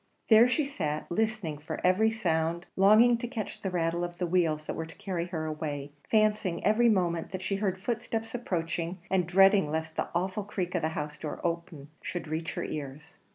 There she sat, listening for every sound longing to catch the rattle of the wheels that were to carry her away fancying every moment that she heard footsteps approaching, and dreading lest the awful creak of the house door opening should reach her ears.